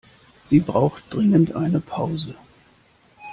Sie braucht dringend eine Pause.